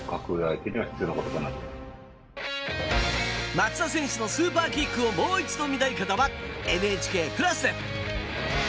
松田選手のスーパーキックをもう一度見たい方はＮＨＫプラスで。